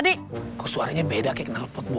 hebat dan begitu